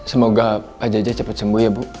semoga pak jajah cepat sembuh ya bu